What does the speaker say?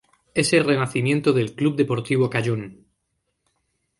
Es el renacimiento del Club Deportivo Cayón.